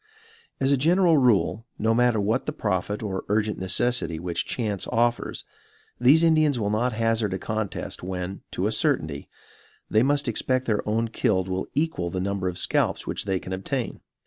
As a general rule, no matter what the profit or urgent necessity which chance offers, these Indians will not hazard a contest when, to a certainty, they must expect their own killed will equal the number of scalps which they can obtain.